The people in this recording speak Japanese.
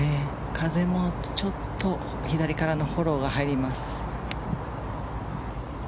風もちょっと左からのフォローが入ります。